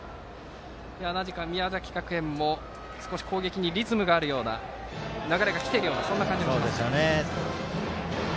宮崎学園も、少し攻撃にリズムがあるような流れが来ているような感じです。